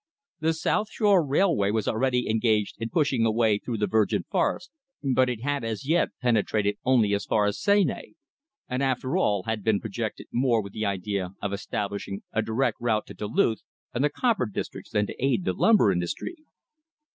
The South Shore Railroad was already engaged in pushing a way through the virgin forest, but it had as yet penetrated only as far as Seney; and after all, had been projected more with the idea of establishing a direct route to Duluth and the copper districts than to aid the lumber industry.